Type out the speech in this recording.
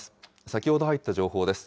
先ほど入った情報です。